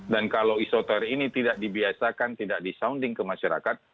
dan kalau isoter ini tidak dibiasakan tidak disounding ke masyarakat